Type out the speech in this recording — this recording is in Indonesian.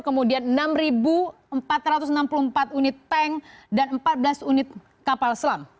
kemudian enam empat ratus enam puluh empat unit tank dan empat belas unit kapal selam